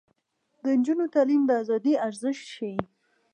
د نجونو تعلیم د ازادۍ ارزښت ښيي.